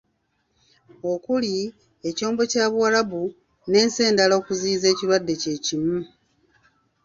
Okuli; Ekyombo kya Buwarabu, n'ensi endala okuziyiza ekirwadde kye kimu.